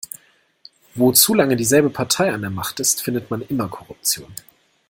Wo zu lange dieselbe Partei an der Macht ist, findet man immer Korruption.